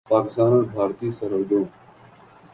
پاکستان اور بھارتی سرحدوں